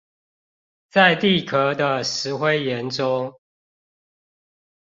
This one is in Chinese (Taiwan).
在地殼的石灰岩中